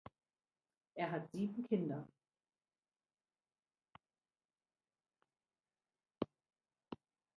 Er hat sieben Kinder.